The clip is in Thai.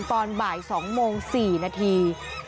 ตอนบ่าย๒โมง๔นาที